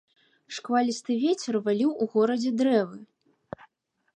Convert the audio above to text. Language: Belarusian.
Шквалісты вецер валіў у горадзе дрэвы.